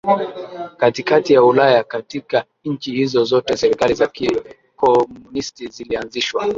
katikati ya Ulaya Katika nchi hizo zote serikali za kikomunisti zilianzishwa